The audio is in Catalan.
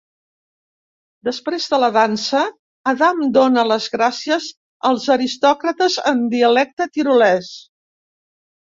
Després de la dansa, Adam dóna les gràcies als aristòcrates en dialecte tirolès.